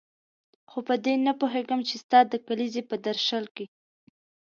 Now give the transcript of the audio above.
خو په دې نه پوهېږم چې ستا د کلیزې په درشل کې.